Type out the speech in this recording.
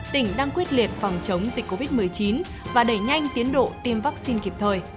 tỉnh đang quyết liệt phòng chống dịch covid một mươi chín và đẩy nhanh tiến độ tiêm vaccine kịp thời